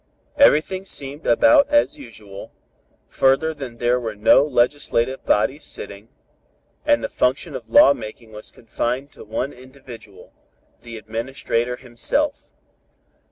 Everything seemed about as usual, further than there were no legislative bodies sitting, and the function of law making was confined to one individual, the Administrator himself.